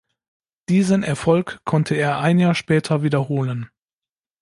Diesen Erfolg konnte er ein Jahr später wiederholen.